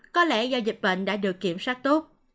có lẽ do dịch bệnh đã được kiểm soát tốt